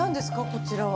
こちらは。